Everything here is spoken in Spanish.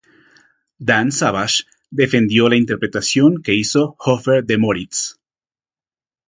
Dan Savage defendió la interpretación que hizo Hoffer de Moritz.